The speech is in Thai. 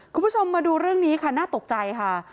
คุณผู้ชมมาดูเรื่องนี้ค่ะน่าตกใจค่ะ